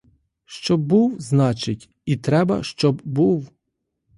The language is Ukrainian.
Щоб був — значить, і треба щоб був.